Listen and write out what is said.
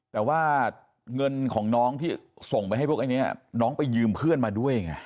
แต่ว่าเงินของน้องที่ส่งไปให้พวกอันนี้น้องไปยืมเพื่อนมาด้วยไง